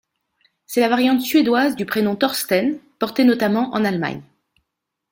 C'est la variante suédoise du prénom Thorsten, porté notamment en Allemagne.